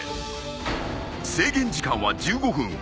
制限時間は１５分。